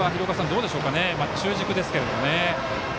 どうでしょうかね、中軸ですが。